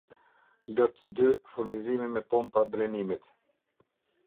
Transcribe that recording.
Lot dy-furnizimi me pompa drenimit